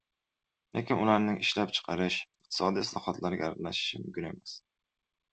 Lekin ularning ishlab chiqarish, iqtisodiy islohotlarga aralashishi mumkin emas.